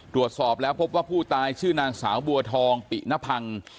ตรวจสอบแล้วพบว่าผู้ตายชื่อนางสาวบัวทองปินพัง